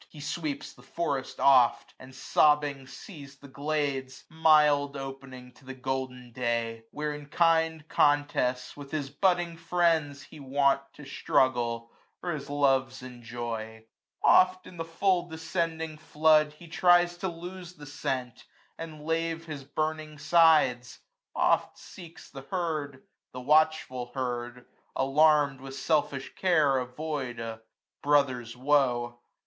440 He sweeps the forest oft j and sobbing sees * The glades, mild opening to the golden day j Where, in kind contest, with his butting friends He wont to struggle, or his loves enjoy. Oft in the full descending flood he tries 445 To lose the scent, and lave his burning sides : Oft seeks the herd ; the watchful herd, alarmM, With selfish care avoid a brother's woe.